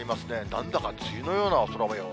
なんだか梅雨のような空もよう。